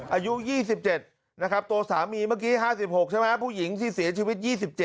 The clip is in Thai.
อายุ๒๗นะครับตัวสามีเมื่อกี้๕๖ใช่ไหมผู้หญิงที่เสียชีวิต๒๗